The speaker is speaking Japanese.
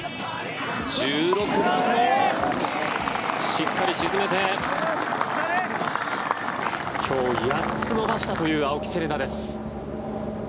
１６番もしっかり沈めて今日、８つ伸ばしたという青木瀬令奈です。